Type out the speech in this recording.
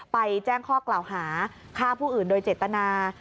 แจ้งข้อกล่าวหาฆ่าผู้อื่นโดยเจตนา